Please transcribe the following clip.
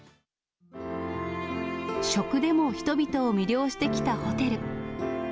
食でも人々を魅了してきたホテル。